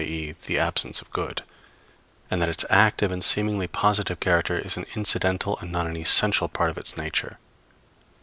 e_., the absence of good; and that its active and seemingly positive character is an incidental and not an essential part of its nature.